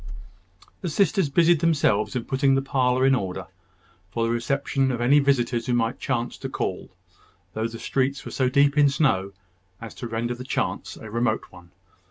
The sisters busied themselves in putting the parlour in order, for the reception of any visitors who might chance to call, though the streets were so deep in snow as to render the chance a remote one.